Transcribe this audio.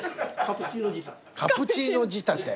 カプチーノ仕立て。